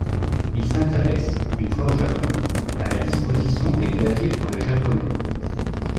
Il s'intéresse, une fois au Japon, à la disposition des claviers pour le japonais.